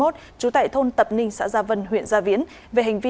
trú tại thôn tập ninh xã gia vân huyện gia viễn